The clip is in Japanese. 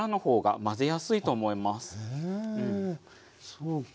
そうか。